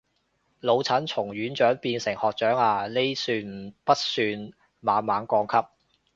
老陳從院長變成學長啊，呢算不算猛猛降級